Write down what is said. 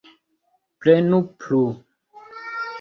Prenu plu.